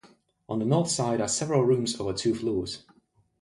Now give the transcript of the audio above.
On the north side are several rooms over two floors.